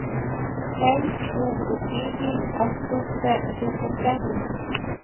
Chay pukrupimi atukta rikurkani